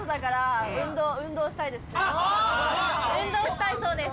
運動したいそうです